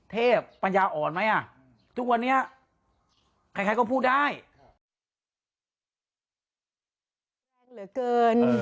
เทพปัญญาอ่อนไหมทุกวันนี้ใครก็พูดได้